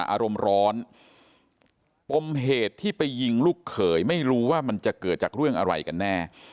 อารมณ์ร้อนปมเหตุที่ไปยิงลูกเขยไม่รู้ว่ามันจะเกิดจากเรื่องอะไรกันแน่